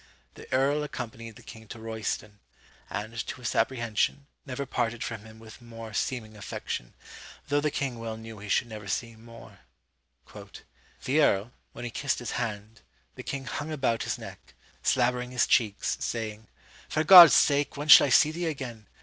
The earl accompanied the king to Royston, and, to his apprehension, never parted from him with more seeming affection, though the king well knew he should never see him more. "The earl, when he kissed his hand, the king hung about his neck, slabbering his cheeks, saying 'For God's sake, when shall I see thee again?